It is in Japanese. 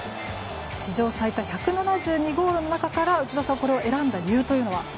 史上最多１７２ゴールの中からこれを選んだ理由というのは？